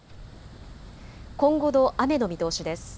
今後の雨の見通しです。